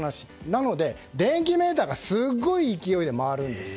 なので電気メーターがすごい勢いで回るんです。